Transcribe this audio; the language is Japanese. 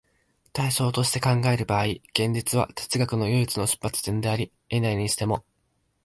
対象として考える場合、現実は哲学の唯一の出発点であり得ないにしても、